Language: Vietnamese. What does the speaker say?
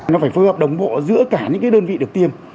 nó phải phối hợp đồng bộ giữa cả những cái đơn vị được tiêm